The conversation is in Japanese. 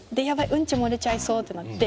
うんち漏れちゃいそうってなって。